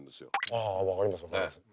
ああ分かります分かります。